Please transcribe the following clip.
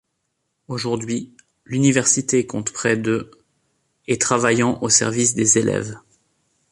Aujourd'hui, l'université compte près de et travaillant au service des élèves.